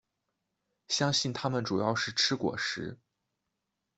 相信它们主要是吃果实。